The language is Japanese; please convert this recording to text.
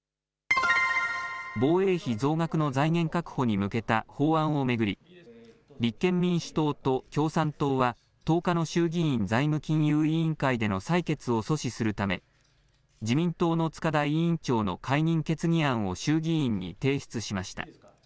防衛費増額の財源確保に向けた法案を巡り立憲民主党と共産党は１０日の衆議院財務金融委員会での採決を阻止するため自民党の塚田委員長の解任決議案を衆議院に提出しました。